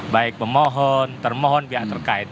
baik pemohon termohon pihak terkait